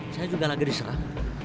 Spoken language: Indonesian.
saya juga lagi diserang